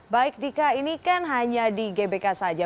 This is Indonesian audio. baik dika ini kan hanya di gbk saja